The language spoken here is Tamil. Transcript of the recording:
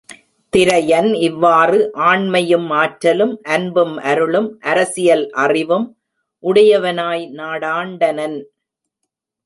திரையன், இவ்வாறு, ஆண்மையும் ஆற்றலும், அன்பும் அருளும், அரசியல் அறிவும் உடையவனாய் நாடாண்டனன்.